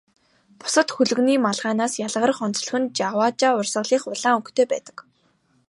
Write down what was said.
Бусад хөлгөний малгайнаас ялгарах онцлог нь Сажава урсгалынх улаан өнгөтэй байдаг.